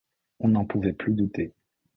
On n’en pouvait plus douter